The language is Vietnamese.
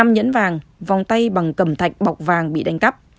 năm nhẫn vàng vòng tay bằng cầm thạch bọc vàng bị đánh cắp